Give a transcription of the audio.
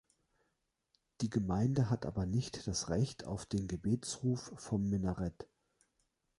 Die Gemeinde hat aber nicht das Recht auf den Gebetsruf vom Minarett.